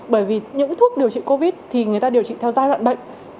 bởi vì những thuốc điều trị covid thì người ta điều trị theo giai đoạn bệnh